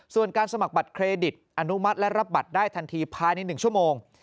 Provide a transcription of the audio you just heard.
ส่วนการสมัครบัตรเครดิตอนุมัติและรับบัตรได้ทันทีภายใน๑ชั่วโมง